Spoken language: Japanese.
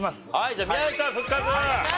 じゃあ宮崎さん復活！